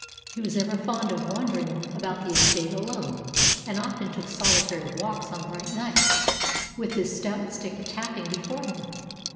He was ever fond of wandering about the estate alone, and often took solitary walks on bright nights with his stout stick tapping before him.